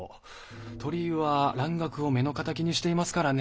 鳥居は蘭学を目の敵にしていますからねえ。